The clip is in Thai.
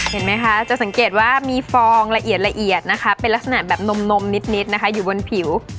เห็นไหมคะจะสังเกตว่ามีฟองละเอียดละเอียดนะคะเป็นลักษณะแบบนมนิดนะคะอยู่บนผิว